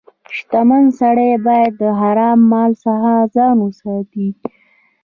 • شتمن سړی باید د حرام مال څخه ځان وساتي.